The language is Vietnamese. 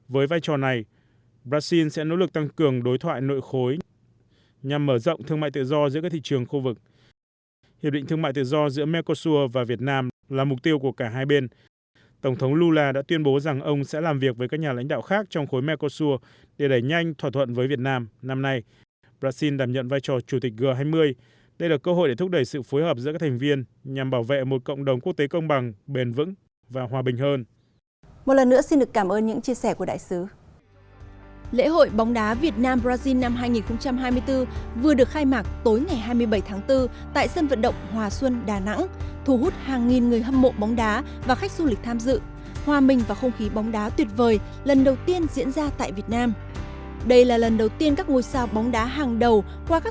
với vai trò này brazil sẽ nỗ lực tăng cường đối thoại nội khối nhằm mở rộng thương mại tự do giữa các thị trường khu vực